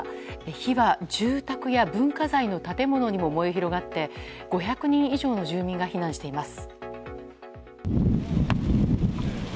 火は住宅や文化財の建物にも燃え広がって５００人以上の住民が避難しています。